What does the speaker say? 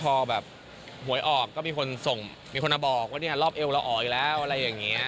พอแบบหวยออกก็มีคนส่งมีคนมาบอกว่าเนี่ยรอบเอวเราออกอยู่แล้วอะไรอย่างนี้